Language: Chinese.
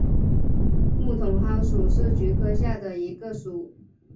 木筒篙属是菊科下的一个属。